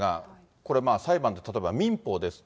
これ、裁判で例えば、民法ですと。